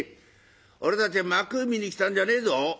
俺たちは幕見に来たんじゃねえぞ。